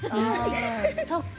そっか。